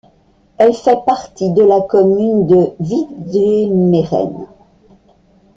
Elle fait partie de la commune de Wijdemeren.